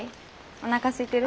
おなかすいてる？